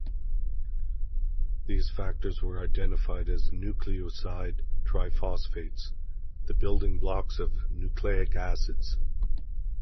These factors were identified as nucleoside triphosphates, the building blocks of nucleic acids.